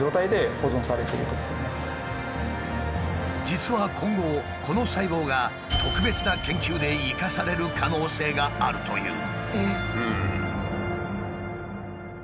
実は今後この細胞が特別な研究で生かされる可能性があるという。